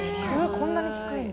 こんなに低いんだ。